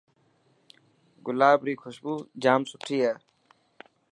گلاب ري خوشبو ڄام سٺي هي.